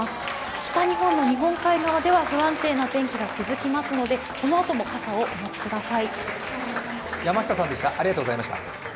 北日本の日本海側では不安定な天気が続きますのでこのあとも傘をお持ちください。